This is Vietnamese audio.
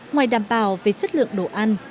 ngoài đảm bảo về chất lượng đồ ăn